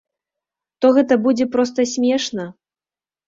То гэта будзе проста смешна.